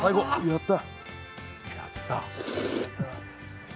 やった！